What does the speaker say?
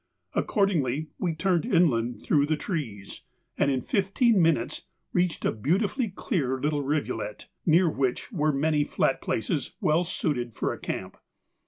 Accordingly, we turned inland through the trees, and in fifteen minutes reached a beautifully clear little rivulet, near which were many flat places well suited for a camp.